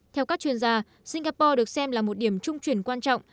theo các chuyên gia singapore được xem là một điểm trung chuyển quan trọng